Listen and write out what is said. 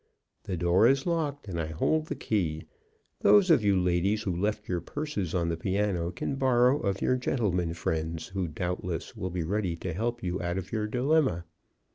The door is locked, and I hold the key. Those of you ladies who left your purses on the piano can borrow of your gentlemen friends, who, doubtless, will be ready to help you out of your dilemma.